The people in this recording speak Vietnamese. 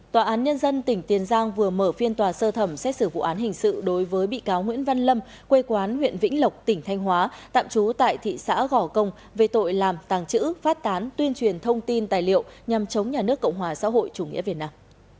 tòa án nhân dân tỉnh tiền giang vừa mở phiên tòa sơ thẩm xét xử vụ án hình sự đối với bị cáo nguyễn văn lâm quê quán huyện vĩnh lộc tỉnh thanh hóa tạm trú tại thị xã gò công về tội làm tàng trữ phát tán tuyên truyền thông tin tài liệu nhằm chống nhà nước cộng hòa xã hội chủ nghĩa việt nam